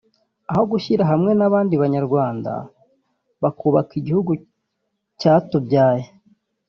aho gushyira hamwe n’abandi banyarwanda bakubaka igihugu cyatubyaye